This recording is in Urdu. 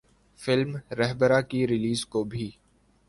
فلم ’رہبرا‘ کی ریلیز کو بھی